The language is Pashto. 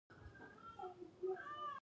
پاکستاني او افغاني طالبان یې بللای شو.